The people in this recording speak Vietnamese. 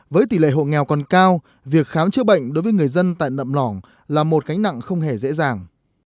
với tỷ lệ hộ nghèo còn cao việc khám chữa bệnh đối với người dân tại nậm lỏng là một gánh nặng không hề dễ dàng